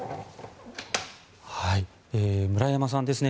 村山さんですね